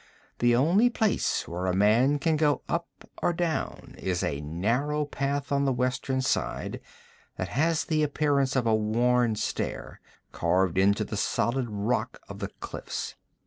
The only place where a man can go up or down is a narrow path on the western side that has the appearance of a worn stair, carved into the solid rock of the cliffs.